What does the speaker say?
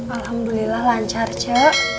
alhamdulillah lancar ce